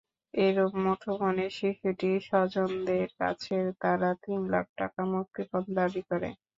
এরপর মুঠোফোনে শিশুটির স্বজনদের কাছে তারা তিন লাখ টাকা মুক্তিপণ দাবি করে।